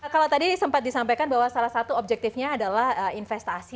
kalau tadi sempat disampaikan bahwa salah satu objektifnya adalah investasi